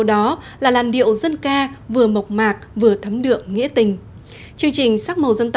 đó là điệu kháo thu lào